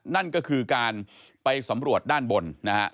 นั่นก็คือการไปสำรวจด้านบนนะฮะ